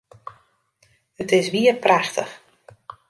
It is wier prachtich!